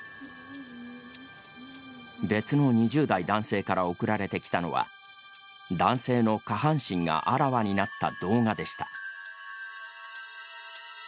別の２０代男性から送られてきたのは男性の下半身があらわになった動画でした。